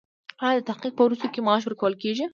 ایا د تحقیق په ورځو کې معاش ورکول کیږي؟